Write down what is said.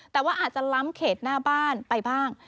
แต่ว่าอาจจะล้ำเขตหน้าบ้านไปบ้าง